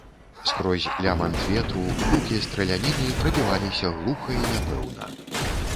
Скрозь лямант ветру гукі страляніны прабіваліся глуха і няпэўна.